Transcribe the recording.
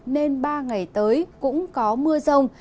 nên ba ngày tới cũng có mưa rông